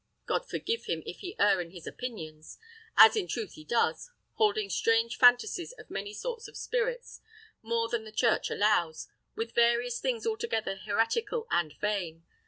God forgive him if he err in his opinions! as in truth he does, holding strange phantasies of many sorts of spirits, more than the church allows, with various things altogether heretical and vain.